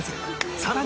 さらに